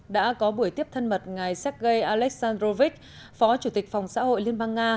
đã có buổi tiếp thân mật ngày xét gây aleksandrovich phó chủ tịch phòng xã hội liên bang nga